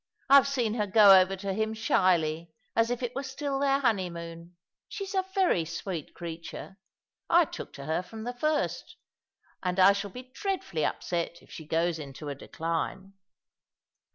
I've seen her go over to him shyly, as if it were still their honeymoon. She's a very sweet creature. I took to her from the first ; and I shall be dreadfully upset if she goes into a decline."